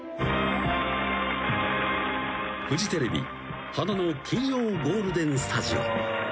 ［フジテレビ『花の金曜ゴールデンスタジオ』］